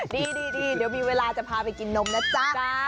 ดีเดี๋ยวมีเวลาจะพาไปกินนมนะจ๊ะ